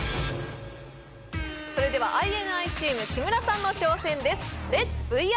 それではＩＮＩチーム木村さんの挑戦ですレッツＶＲ！